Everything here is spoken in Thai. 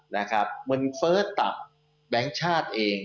เงินเฟ้อตับแบงค์ชาติเอง